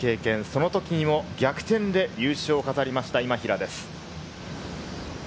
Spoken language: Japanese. その時にも逆転で優勝を飾りました、今平です。